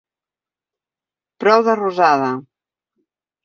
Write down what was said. Prou de rosada!